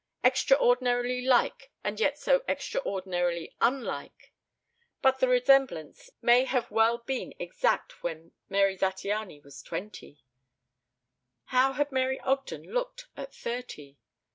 ... Extraordinarily like and yet so extraordinarily unlike! But the resemblance may have well been exact when Mary Zattiany was twenty. How had Mary Ogden looked at thirty?